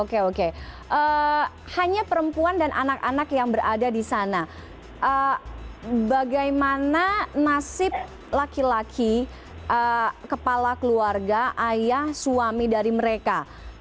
oke oke hanya perempuan dan anak anak yang berada di sana bagaimana nasib laki laki kepala keluarga ayah suami dari mereka